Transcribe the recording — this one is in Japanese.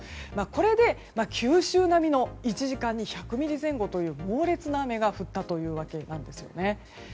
これで九州並みの１時間に１００ミリ前後という猛烈な雨が降ったというわけなんですね。